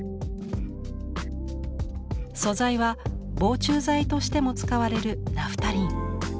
素材は防虫剤としても使われるナフタリン。